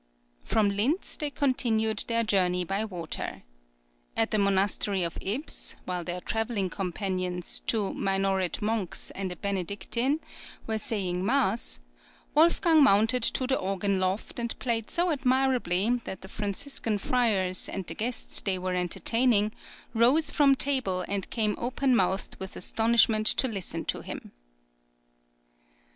From Linz they continued their journey by water. At the Monastery of Ips, while their travelling companions, two Minorite monks and a Benedictine, were saying mass, Wolfgang mounted to the organ loft, and played so admirably that the Franciscan friars, and the guests they were entertaining, rose from table and came open mouthed with astonishment to listen to him.